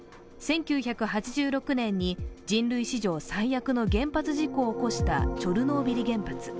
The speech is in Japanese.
１９８６年に、人類史上最悪の原発事故を起こしたチョルノービリ原発。